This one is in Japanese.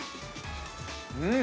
◆うん。